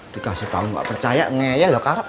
dikasih tau gak percaya ngeyelokarap